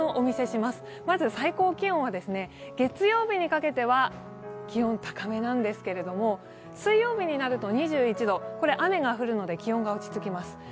まず最高気温は、月曜日にかけては気温高めなんですけれども、水曜日になると２１度、これは雨が降るので気温が落ち着きます。